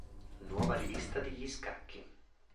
Nuova Rivista degli Scacchi